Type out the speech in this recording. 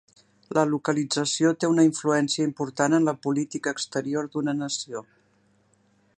La localització té una influència important en la política exterior d'una nació.